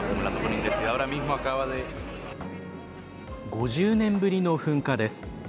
５０年ぶりの噴火です。